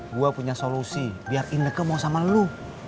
gue punya solusi biar ineke mau sama lo